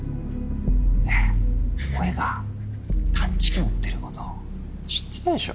ねぇ俺が探知機持ってること知ってたでしょ？